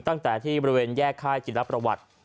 ตั้งแต่ที่บริเวณแยกค่ายจิลประวัติ